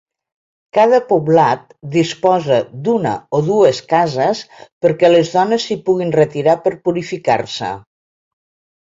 Cada poblat disposa d'una o dues cases perquè les dones s'hi puguin retirar per purificar-se.